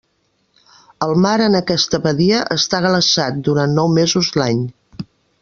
El mar en aquesta badia està glaçat durant nou mesos l'any.